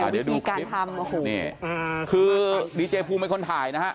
เดี๋ยวดูคลิปคือดีเจภูมิไม่ควรถ่ายนะฮะ